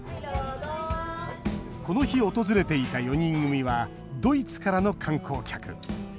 この日、訪れていた４人組はドイツからの観光客。